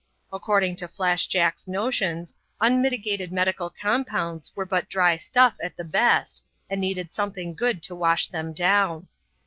According to Flash Jack's notions, unmitigated medical compounds were but dry stuff at the best, and needed something good to wash them down.